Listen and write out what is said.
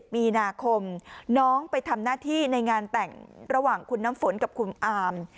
มีนาคมน้องไปทำหน้าที่ในงานแต่งระหว่างคุณน้ำฝนกับคุณอาม